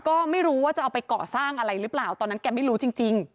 ก็ไม่รู้ว่าจะเอาไปก่อสร้างอะไรหรือเปล่าตอนนั้นแกไม่รู้จริง